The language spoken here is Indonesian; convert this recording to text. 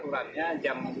terdiklar tercakwa ya kan